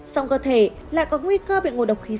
xong cơ thể lại có nguy cơ bị ngồi độc khí co